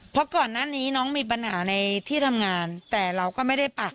เพราะก่อนหน้านี้น้องมีปัญหาในที่ทำงานแต่เราก็ไม่ได้ปัก